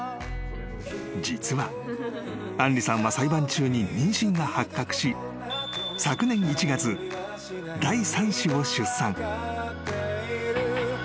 ［実は杏梨さんは裁判中に妊娠が発覚し昨年１月第三子を出産］